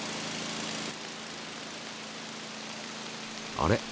あれ？